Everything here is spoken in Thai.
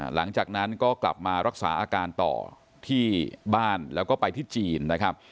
หลังจากนั้นก็กลับมารักษาอาการต่อที่บ้านแล้วก็ไปที่จีนนะครับ